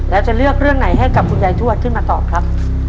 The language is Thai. แล้วจะเลือกเรื่องไหนให้กับคุณยายทวดขึ้นมาตอบครับ